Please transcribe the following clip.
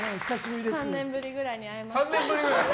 ３年ぶりぐらいに会いました。